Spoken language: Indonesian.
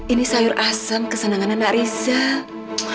ini sayur asem kesenangan anak rizal